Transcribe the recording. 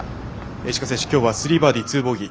石川選手、今日は３バーディー２ボギー。